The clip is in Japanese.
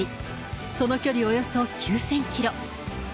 その距離およそ９０００キロ。